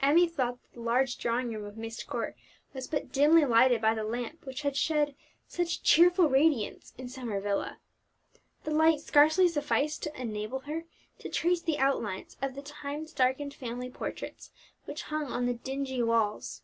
Emmie thought that the large drawing room of Myst Court was but dimly lighted by the lamp which had shed such cheerful radiance in Summer Villa. The light scarcely sufficed to enable her to trace the outlines of the time darkened family portraits which hung on the dingy walls.